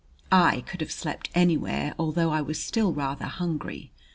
I could have slept anywhere, although I was still rather hungry.